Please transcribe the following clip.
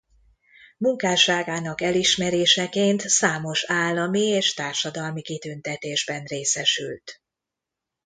Munkásságának elismeréseként számos állami és társadalmi kitüntetésben részesült.